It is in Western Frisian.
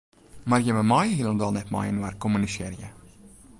Mar jimme meie hielendal net mei-inoar kommunisearje.